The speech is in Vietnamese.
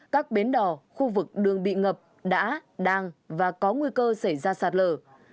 các bến đỏ khu vực đường bị ngập đã đang và có nguy cơ xảy ra sạt lở